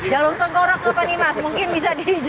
jalur tengkorak apa nih mas mungkin bisa dijelaskan